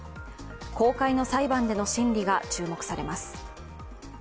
公開の裁判での審理が注目されます。